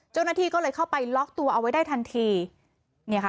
เจ้าหน้าที่ก็เลยเข้าไปล็อกตัวเอาไว้ได้ทันทีเนี่ยค่ะ